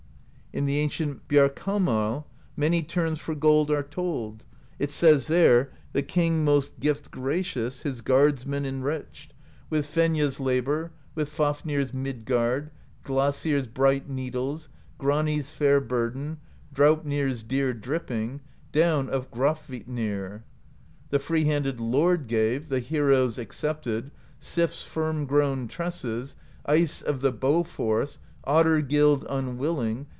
In the ancient Bjarkamal many terms for gold are told : it says there: The king most gift gracious His guardsmen enriched 174 PROSE EDDA With Fenja's Labor, With Fafnir's Midgard, Glasir's bright Needles, Grani's fair Burden, Draupnir's dear dripping, Down of Grafvitnir. The free handed Lord gave. The heroes accepted, SiPs firm grown tresses. Ice of the bow force. Otter gild unwilling.